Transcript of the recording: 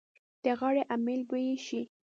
د غاړې امېل به یې شي.